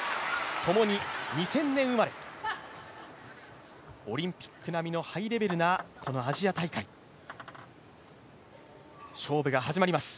ともに２０００年生まれ、オリンピック並みのハイレベルなアジア大会、勝負が始まります。